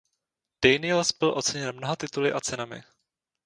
Daniels byl oceněn mnoha tituly a cenami.